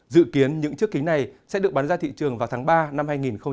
dự kiến những chiếc kính này sẽ được bán ra thị trường vào tháng ba năm hai nghìn hai mươi